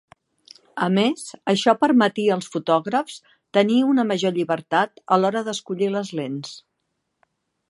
A més, això permetia als fotògrafs tenir una major llibertat a l'hora d'escollir les lents.